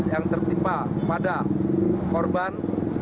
yang tertimpa pada korban